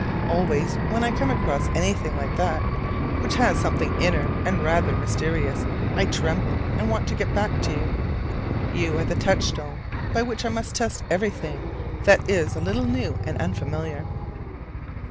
Always when I come across anything like that which has something inner and rather mysterious, I tremble and want to get back to you. You are the touchstone by which I must test everything that is a little new and unfamiliar.